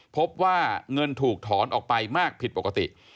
พบว่าเงินถูกถอนออกไปมากผิดปกติ